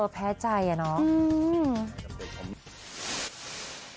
แพ้ใจอะน้อง